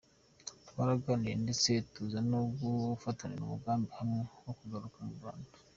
Twaraganiriye ndetse tuza no gufatira umugambi hamwe wo kugaruka mu Rwanda.